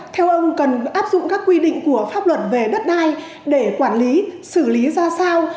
theo ông cần áp dụng các quy định của pháp luật về đất đai để quản lý xử lý ra sao